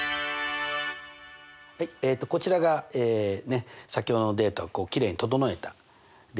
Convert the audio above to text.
はいこちらが先ほどのデータをきれいに整えたデータであります。